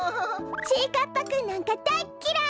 ちぃかっぱくんなんかだいっきらい！